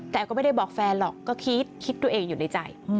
แต่ก็ไม่ได้บอกแฟนหรอกก็คิดตัวเองอยู่ในใจ